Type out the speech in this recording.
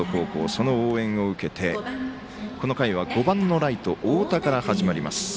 その応援を受けてこの回は５番のライト太田から始まります。